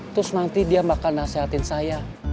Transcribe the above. terus nanti dia bakal nasehatin saya